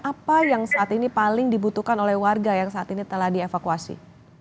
apa yang saat ini paling dibutuhkan oleh warga yang saat ini telah dievakuasi